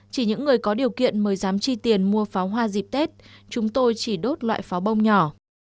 chỉ những người có điều kiện mời dám chi tiền mua pháo hoa dịp tết chúng tôi chỉ đốt loại pháo bông nhỏ